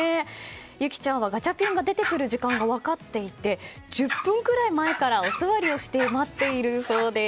ゆきちゃんはガチャピンが出てくる時間が分かっていて１０分くらい前からお座りをして待っているそうです。